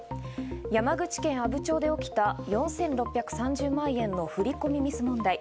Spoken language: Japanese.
山口県阿武町で起きた４６３０万円の振り込みミス問題。